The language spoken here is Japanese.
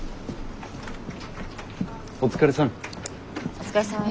お疲れさん。